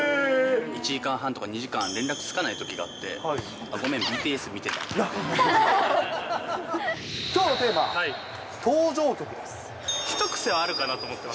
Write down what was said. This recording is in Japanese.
１時間半とか２時間、連絡つかないときがあって、ごめん、ＢＴＳ見てたって。